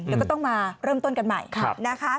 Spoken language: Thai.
แล้วก็ต้องมาเริ่มต้นกันใหม่